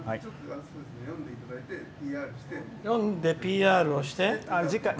読んで、ＰＲして。